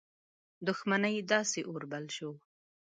دښمنۍ داسي اور بل شو.